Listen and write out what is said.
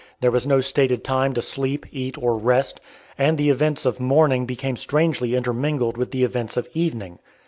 There was no stated time to sleep, eat, or rest, and the events of morning became strangely intermingled with the events of evening.